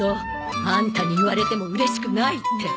アンタに言われてもうれしくないって。